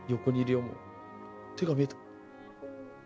手が見えた。